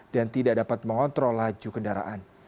dan tidak dapat mengontrol laju kendaraan